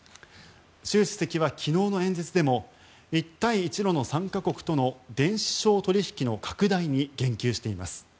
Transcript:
習主席は昨日の演説でも一帯一路の参加国との電子商取引の拡大に言及しています。